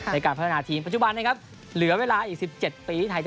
ในประโยชน์๒๖เนี่ย